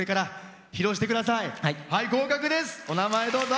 お名前、どうぞ。